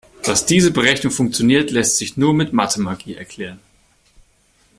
Dass diese Berechnung funktioniert, lässt sich nur mit Mathemagie erklären.